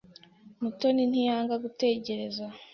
Mutoni ntiyanga gutegereza.